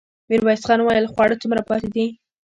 ميرويس خان وويل: خواړه څومره پاتې دي؟